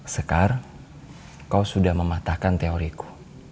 sekarang kau sudah mematahkan teori ku